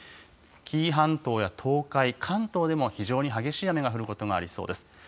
紀伊半島や東海、関東でも非常に激しい雨が降ることがありそうです。